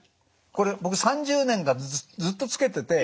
これ僕３０年間ずっとつけてて。